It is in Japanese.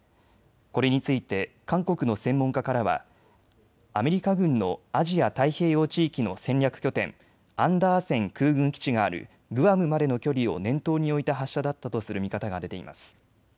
これについて韓国の専門家からはアメリカ軍のアジア太平洋地域の戦略拠点、アンダーセン空軍基地があるグアムまでの距離を念頭に置いた発射だったとする見方が出ています。